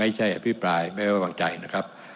ไม่ใช่อภิปรายไม่ใช่วางใจนะครับ